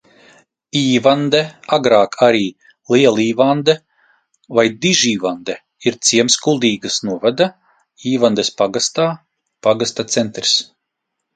Īvande, agrāk arī Lielīvande vai Dižīvande, ir ciems Kuldīgas novada Īvandes pagastā, pagasta centrs.